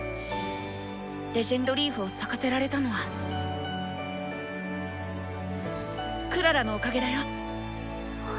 「伝説のリーフ」を咲かせられたのはクララのおかげだよ。